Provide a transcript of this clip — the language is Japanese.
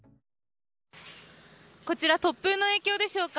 こちら突風の影響でしょうか。